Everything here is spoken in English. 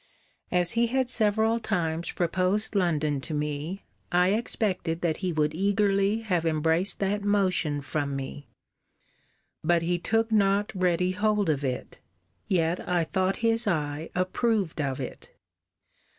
As he had several times proposed London to me, I expected that he would eagerly have embraced that motion from me. But he took not ready hold of it: yet I thought his eye approved of it.